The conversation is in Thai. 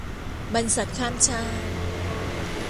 บรรษัทข้ามชาติ